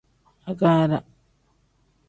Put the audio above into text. Agaara.